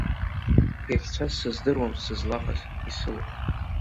Иахьцаз сыздыруам сызлаҟаз, исылаз.